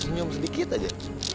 senyum sedikit aja